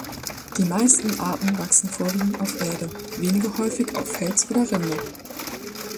Die meisten Arten wachsen vorwiegend auf Erde, weniger häufig auf Fels oder Rinde.